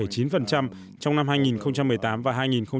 trong năm hai nghìn một mươi tám và hai nghìn một mươi chín